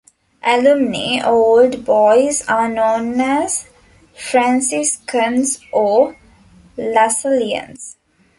Alumni, or Old Boys, are known as 'Franciscans' or 'Lasallians'.